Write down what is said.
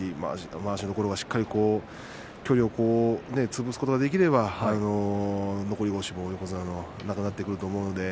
まわしのところがしっかり距離を潰すことができれば横綱の残り腰もなくなってくると思うので。